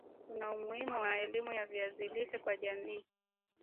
kuna umuhimu wa elimu ya viazi lishe kwa jamii